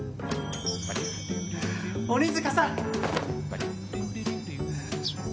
鬼塚さん！